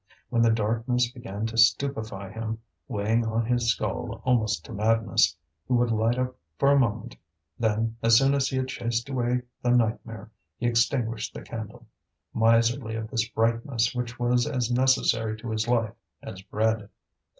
When the darkness began to stupefy him, weighing on his skull almost to madness, he would light up for a moment; then, as soon as he had chased away the nightmare, he extinguished the candle, miserly of this brightness which was as necessary to his life as bread.